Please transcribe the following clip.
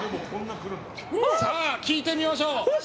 聞いてみましょう。